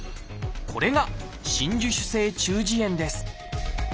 これが「真珠腫性中耳炎」です。